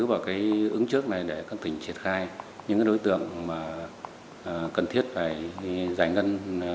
và cái ứng trước này để các tỉnh triển khai những đối tượng mà cần thiết phải giải ngân